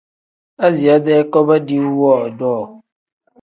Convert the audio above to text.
Aziya-dee koba diiwu woodoo.